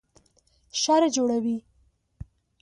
شر جوړوي